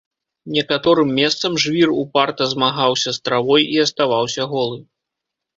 Некаторым месцам жвір упарта змагаўся з травой і аставаўся голы.